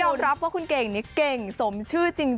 รับว่าคุณเก่งนี้เก่งสมชื่อจริง